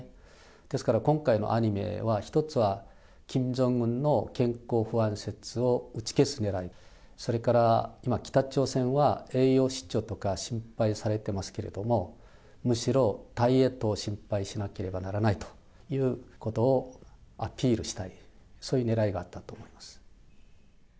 ですから、今回のアニメは、一つはキム・ジョンウンの健康不安説を打ち消すねらい、それから今、北朝鮮は栄養失調とか心配されてますけれども、むしろダイエットを心配しなければならないということをアピールしたい、そういうねらいがあったと思います。